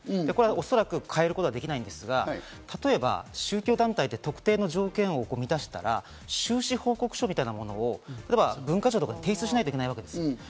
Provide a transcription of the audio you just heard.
おそらく変えることはできないんですが、例えば宗教団体って特定の条件を満たしたら、収支報告書みたいなものを文化庁とかに提出しなきゃいけないわけです。